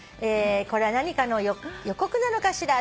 「これは何かの予告なのかしら？